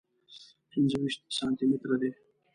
پنځه ویشت سانتي متره دی.